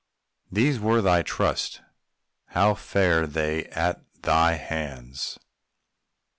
These were thy trust: how fare they at thy hands?